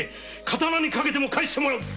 刀にかけても返してもらう。